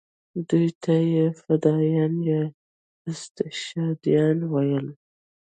دوی ته یې فدایان یا استشهادیان ویل.